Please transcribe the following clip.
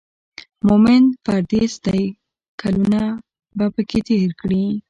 مومن پردېس دی کلونه به پکې تېر کړي.